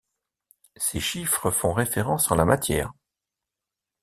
Ces chiffres font référence en la matière.